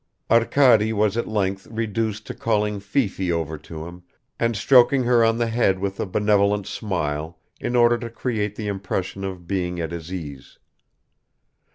Arkady was at length reduced to calling Fifi over to him and stroking her on the head with a benevolent smile in order to create the impression of being at his ease.